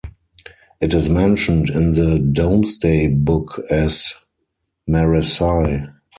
It is mentioned in the Domesday Book as "Meresai".